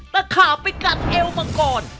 ตะขาไปกัดเอวมาก่อน